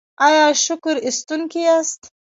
ایا شکر ایستونکي یاست؟